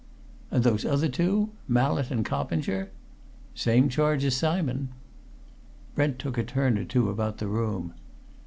"And those other two Mallett and Coppinger?" "Same charge as Simon." Brent took a turn or two about the room.